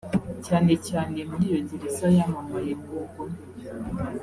cyane cyane muri iyo gereza yamamaye mu bugome